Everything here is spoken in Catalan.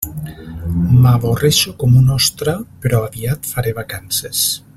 M'avorreixo com una ostra, però aviat faré vacances.